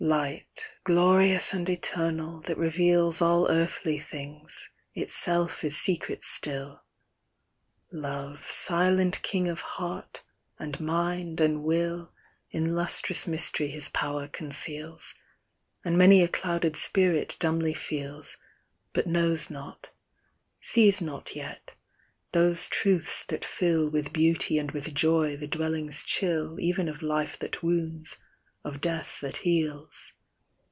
Light, glorious and eternal, that reveals All earthly things, itself is secret still ; Love, silent king of heart, and mind, and will, Li lustrous mystery his power conceals ; And many a clouded spirit dumbly feels, But knows not, sees not yet, those truths that fill With beauty and with joy the dwellings chill Even of Life that wounds, of Death that heals.